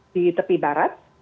di tepi barat